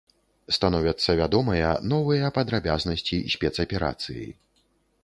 Становяцца вядомыя новыя падрабязнасці спецаперацыі.